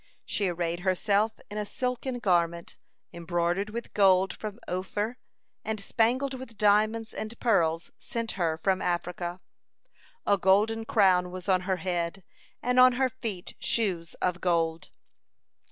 She arrayed herself in a silken garment, embroidered with gold from Ophir and spangled with diamonds and pearls sent her from Africa; a golden crown was on her head, and on her feet shoes of gold.